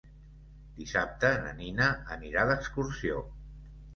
Dissabte na Nina anirà d'excursió.